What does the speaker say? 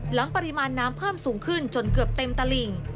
หลังปริมาณน้ำพร่ำสูงขึ้นจนเกือบเต็มตระหลิง